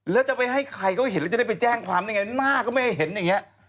แล้วจะไปให้ใครเขาเห็นแล้วจะได้ไปแจ้งความได้ไงม่าก็ไม่ได้เห็นอย่างนี้